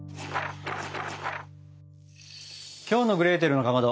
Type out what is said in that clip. きょうの「グレーテルのかまど」